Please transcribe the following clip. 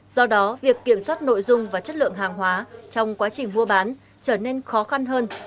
do đó việc kiểm soát nội dung và chất lượng hàng hóa trong quá trình mua bán trở nên khó khăn hơn